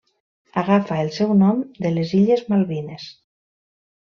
Agafa el seu nom de les Illes Malvines.